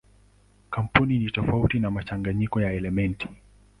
Kampaundi ni tofauti na mchanganyiko wa elementi.